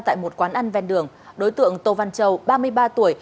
tại một quán ăn ven đường đối tượng tô văn châu ba mươi ba tuổi